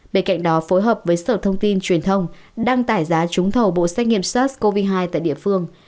bên cạnh đó phối hợp với sở thông tin truyền thông đăng tải giá trúng thầu bộ xét nghiệm sars cov hai tại địa phương